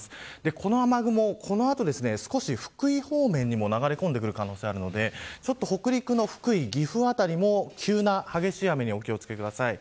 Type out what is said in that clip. この雨雲この後少し、福井方面にも流れ込んでくる可能性があるので北陸の福井、岐阜辺りも急な激しい雨にお気を付けください。